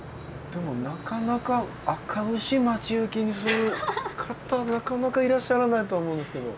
でもなかなかあかうし待ち受けにする方なかなかいらっしゃらないと思うんですけど。